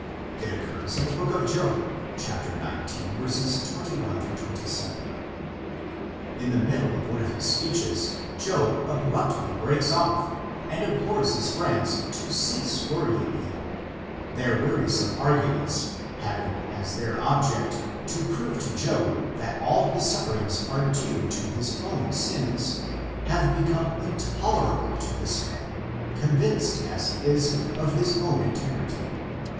It occurs in the book of Job (xix. 21 27). In the middle of one of his speeches Job abruptly breaks off, and implores his friends to cease worrying him ; their weari some arguments, having as their object to prove to Job that all his sufferings are due to his own sins, have become intolerable to this man, convinced as he is of his own integrity.